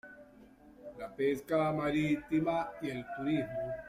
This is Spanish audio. La pesca marítima y el turismo.